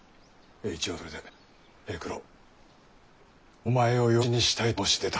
栄一はそれで平九郎お前を養子にしたいと申し出た。